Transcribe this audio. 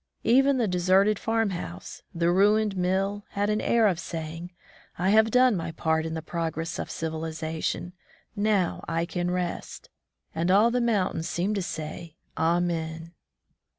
Even the deserted farmhouse, the ruined mill, had an air of saying, "I have done my part in the progress of civilization. Now I can rest." And all the mountains seemed to say. Amen.